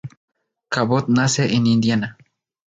Cabot nace en Indiana.